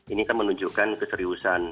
ini kan menunjukkan keseriusan